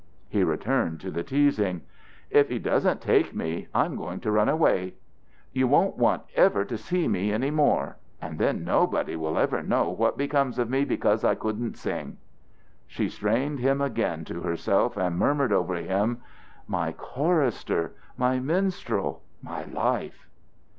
He returned to the teasing. "If he doesn't take me, I'm going to run away. You won't want ever to see me any more. And then nobody will ever know what becomes of me because I couldn't sing." She strained him again to herself and murmured over him: "My chorister! My minstrel! My life!"